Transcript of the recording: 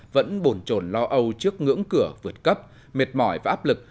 vẫn bồn trồn lo âu trước ngưỡng cửa vượt cấp mệt mỏi và áp lực